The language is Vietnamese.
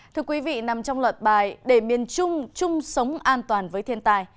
thưa quý vị nằm trong luật bài để miền trung chung sống an toàn với thiên tài